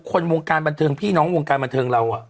คนวงการบันเทิงพี่น้องวงการบันเทิงเรา